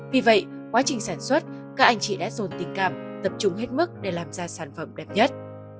vì vậy quá trình sản xuất các anh chị đã dồn tình cảm tập trung hết mức để làm ra sản phẩm đẹp nhất